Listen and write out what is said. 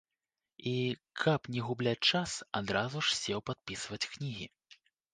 І, каб не губляць час, адразу ж сеў падпісваць кнігі.